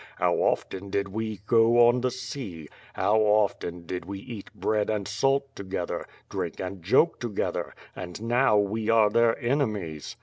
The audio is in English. How often did we go on the sea; how often did we eat bread and salt together; drink and joke together; and now we are their enemies."